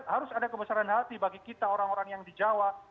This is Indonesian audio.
harus ada kebesaran hati bagi kita orang orang yang di jawa